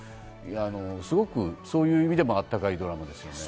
すごくそういう意味でもあったかいドラマですよね。